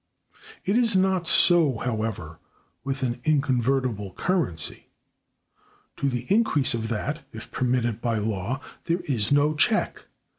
It is not so, however, with an inconvertible currency. To the increase of that (if permitted by law) there is no check.